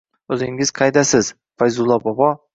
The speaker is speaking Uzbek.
O’zingiz qaydasiz, Fayzullo bobo?..